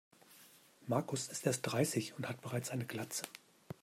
Markus ist erst dreißig und hat bereits eine Glatze.